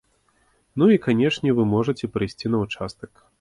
Ну і, канешне, вы можаце прыйсці на ўчастак.